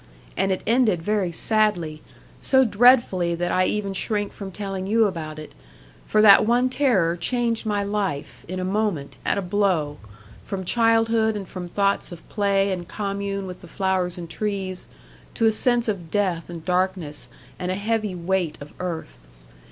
And it ended very sadly, so dreadfully that I even shrink from telling you about it; for that one terror changed my life, in a moment, at a blow, from childhood and from thoughts of play and commune with the flowers and trees, to a sense of death and darkness, and a heavy weight of earth.